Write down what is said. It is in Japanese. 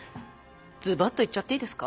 ズバッと言っちゃっていいですか。